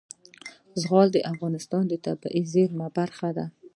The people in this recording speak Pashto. زغال د افغانستان د طبیعي زیرمو برخه ده.